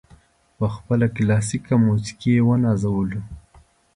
په خپله کلاسیکه موسیقي یې ونازولو.